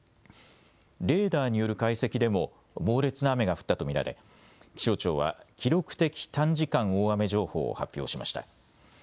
レーダーによる解析でも猛烈な雨が降ったと見られ気象庁は記録的短時間大雨情報を発表しました。